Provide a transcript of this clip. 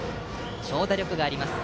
長打力があります。